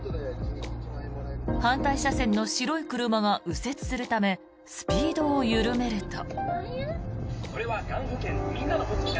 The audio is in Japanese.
反対車線の白い車が右折するためスピードを緩めると。